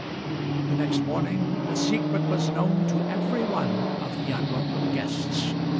The next morning the secret was known to every one of the unwelcome guests.